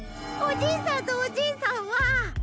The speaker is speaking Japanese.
おじいさんのおじいさんは。